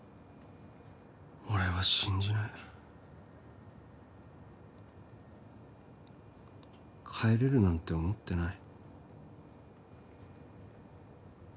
俺は信じない帰れるなんて思ってない